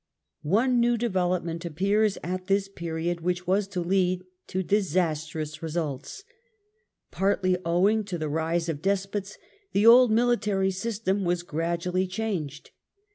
One new development appears at this period, which was to lead to disastrous results. Partly owing to the rise Rise of of despots, the old military system was gradually changed.